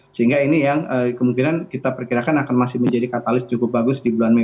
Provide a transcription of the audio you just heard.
sehingga ini yang kemungkinan kita perkirakan akan masih menjadi katalis cukup bagus di bulan mei